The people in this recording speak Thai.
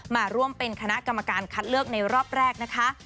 มาร่วมเป็นคณะกรรมการคัดเลือกในรอบแรกนะคะ